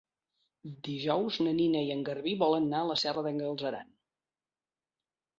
Dijous na Nina i en Garbí volen anar a la Serra d'en Galceran.